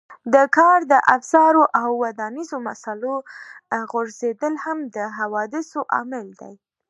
د کار د افزارو او ودانیزو مسالو غورځېدل هم د حوادثو عامل دی.